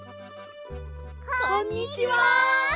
こんにちは！